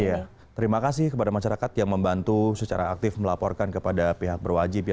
iya terima kasih kepada masyarakat yang membantu secara aktif melaporkan kepada pihak berwajib ya